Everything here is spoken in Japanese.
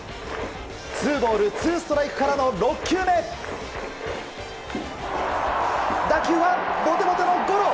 ツーボールツーストライクからの６球目打球はぼてぼてのゴロ。